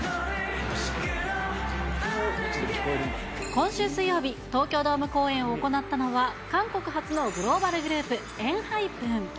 今週水曜日、東京ドーム公演を行ったのは、韓国発のグローバルグループ、ＥＮＨＹＰＥＮ。